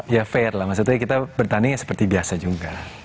ya fair lah maksudnya kita bertanding seperti biasa juga